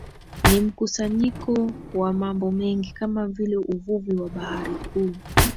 Ni mkusanyiko wa mambo mengi kama vile uvuvi wa bahari kuu